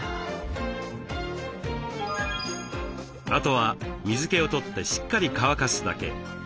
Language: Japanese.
あとは水気を取ってしっかり乾かすだけ。